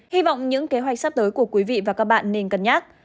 hy vọng những kế hoạch sắp tới của quý vị và các bạn nên cân nhắc